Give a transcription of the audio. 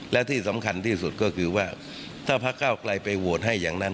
และที่สำคัญที่สุดก็คือว่าถ้าพระเก้าไกลไปโหวตให้อย่างนั้น